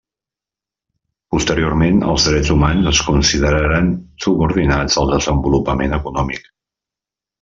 Posteriorment, els drets humans es consideraren subordinats al desenvolupament econòmic.